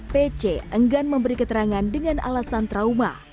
pc enggan memberi keterangan dengan alasan trauma